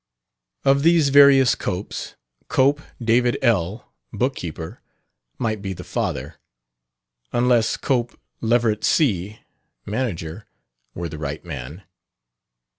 Of these various Copes, "Cope, David L., bookpr," might be the father, unless "Cope, Leverett C., mgr" were the right man.